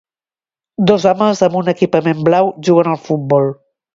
Dos homes amb un equipament blau juguen al futbol.